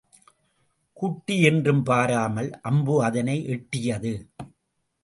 குட்டி என்றும் பாராமல் அம்பு அதனை எட்டியது.